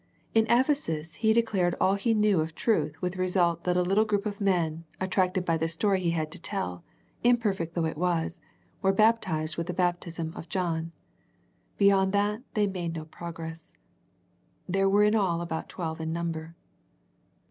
In Ephesus he declared all he knew of truth with the result that a little group of men, at tracted by the story he had to tell, imperfect though it was, were baptized with the baptism of John. Beyond that they made no progress. They were in all about twelve in number.